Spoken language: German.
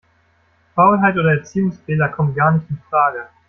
Faulheit oder Erziehungsfehler kommen gar nicht infrage.